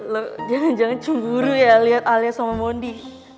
lo jangan jangan cemburu ya liat alia sama mondi